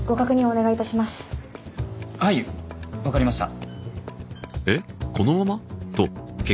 お願いいたしますはいわかりました